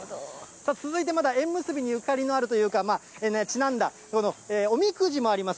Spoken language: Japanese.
続いて、まだ縁結びにゆかりのあるというか、ちなんだおみくじもあります。